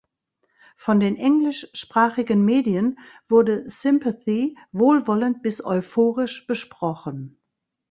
Von den englischsprachigen Medien wurde "Sympathie" wohlwollend bis euphorisch besprochen.